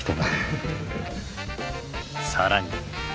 更に。